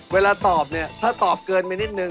เวลาตอบเนี่ยถ้าตอบเกินไปนิดนึ